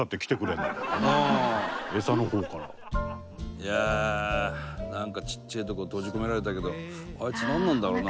「いやあなんかちっちぇえ所に閉じ込められたけどあいつなんなんだろうな」